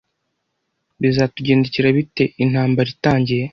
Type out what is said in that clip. Bizatugendekera bite intambara itangiye?